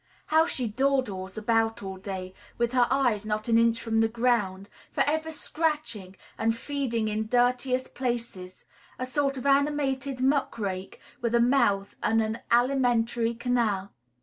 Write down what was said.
How she dawdles about all day, with her eyes not an inch from the ground, forever scratching and feeding in dirtiest places, a sort of animated muck rake, with a mouth and an alimentary canal!